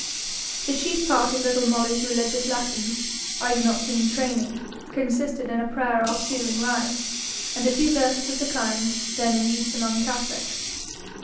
The chief part of little Molly's religious lessons, I do not mean training, consisted in a prayer or two in rhyme, and a few verses of the kind then in use among catholics.